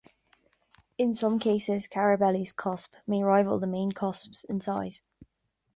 In some cases, Carabelli's cusp may rival the main cusps in size.